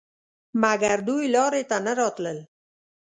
مګر دوی لارې ته نه راتلل.